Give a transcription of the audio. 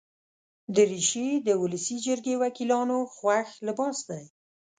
دریشي د ولسي جرګې وکیلانو خوښ لباس دی.